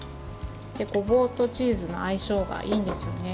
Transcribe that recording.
ごぼうとチーズの相性がいいんですよね。